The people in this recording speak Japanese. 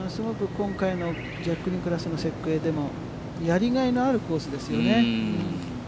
今回のジャック・ニクラウスの設計でも、やりがいのあるコースですよね。